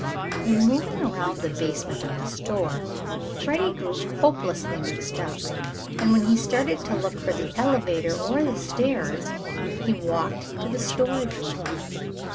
In moving around the basement of the store, Freddie grew hopelessly mixed up, and when he started to look for the elevator or the stairs, he walked to the storage room.